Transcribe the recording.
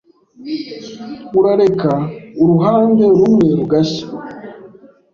Urareka uruhande rumwe rugashya